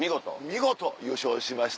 見事優勝しまして。